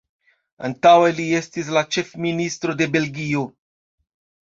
Antaŭe li estis la ĉefministro de Belgio.